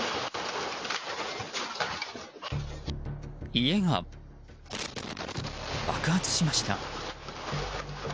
家が爆発しました。